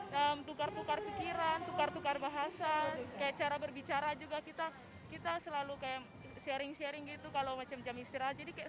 tukar tukar pikiran tukar tukar bahasa kayak cara berbicara juga kita kita selalu kayak sharing sharing gitu kalau macam jam istirahat jadi kayak senang sekali